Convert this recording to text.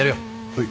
はい。